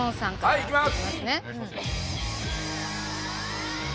はいいきます！